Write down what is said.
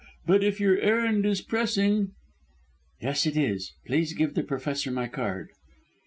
But if your errand is pressing " "Yes, it is. Please give the Professor my card."